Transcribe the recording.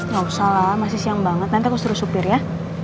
nggak usah lah masih siang banget nanti aku suruh supir ya